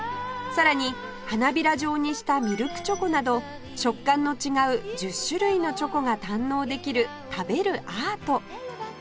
さらに花びら状にしたミルクチョコなど食感の違う１０種類のチョコが堪能できる食べるアート